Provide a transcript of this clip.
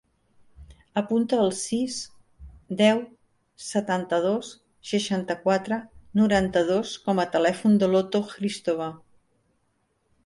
Apunta el sis, deu, setanta-dos, seixanta-quatre, noranta-dos com a telèfon de l'Oto Hristova.